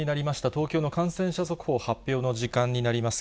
東京の感染者速報発表の時間になります。